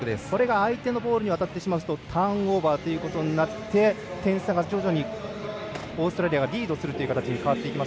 相手のボールに渡ってしまうとターンオーバーということになって点差が徐々にオーストラリアがリードするという形に変わっていきます。